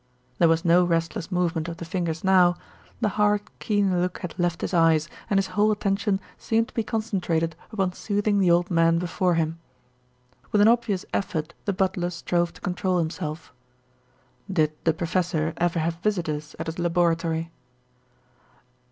There was no restless movement of fingers now. The hard, keen look had left his eyes, and his whole attention seemed to be concentrated upon soothing the old man before him. With an obvious effort the butler strove to control himself. "Did the professor ever have visitors at his laboratory?"